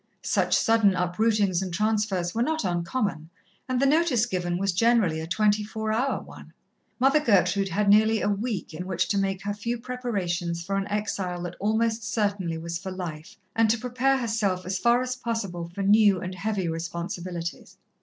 Such sudden uprootings and transfers were not uncommon, and the notice given was generally a twenty four hour one. Mother Gertrude had nearly a week in which to make her few preparations for an exile that almost certainly was for life, and to prepare herself as far as possible for new and heavy responsibilities.